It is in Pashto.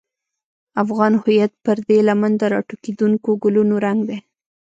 افغان هویت پر دې لمن د راټوکېدونکو ګلونو رنګ دی.